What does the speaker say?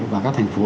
và các thành phố